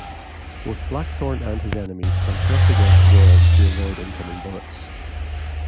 Both Blackthorne and his enemies can press against walls to avoid incoming bullets.